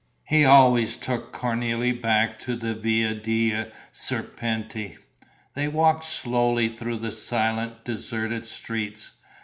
He always took Cornélie back to the Via dei Serpenti. They walked slowly through the silent, deserted streets.